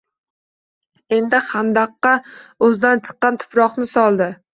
Endi, xandaqqa o‘zidan chiqqan tuproqni soldi.